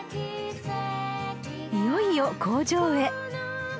［いよいよ工場へ］